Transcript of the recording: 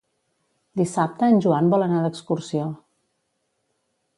Dissabte en Joan vol anar d'excursió.